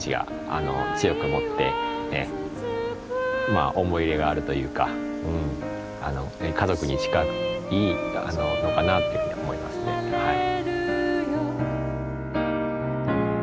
まあ思い入れがあるというかうん家族に近いのかなっていうふうに思いますねはい。